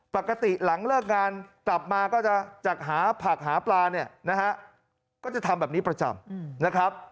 ปกติหลังเลิกงานกลับมาก็จะจากหาผักหาปลาเนี่ยนะฮะก็จะทำแบบนี้ประจำนะครับ